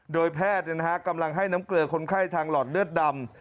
โดยแพทย์กำลังให้น้ำเกลือคนไข้ทางหลอดเลือดดำ